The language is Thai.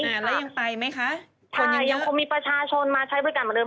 แล้วยังไปไหมคะคนยังยังคงมีประชาชนมาใช้บริการเหมือนเดิ